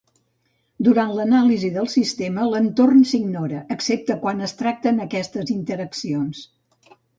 Durant l'anàlisi del sistema, l'entorn s'ignora excepte quan es tracten aquestes interaccions.